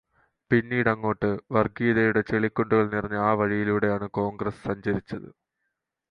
പിന്നീടങ്ങോട്ട്, വര്ഗീയതയുടെ ചെളിക്കുണ്ടുകള് നിറഞ്ഞ ആ വഴിയിലൂടെയാണ് കോണ്ഗ്രസ്സ് സഞ്ചരിച്ചത്.